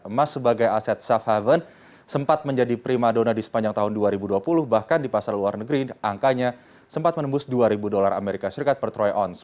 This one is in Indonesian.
emas sebagai aset safe haven sempat menjadi prima dona di sepanjang tahun dua ribu dua puluh bahkan di pasar luar negeri angkanya sempat menembus dua ribu dolar as per troy ounce